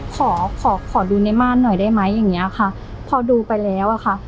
ขอขอดูในม่านหน่อยได้ไหมอย่างเงี้ยค่ะพอดูไปแล้วอะค่ะ